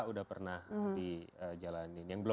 udah pernah di jalanin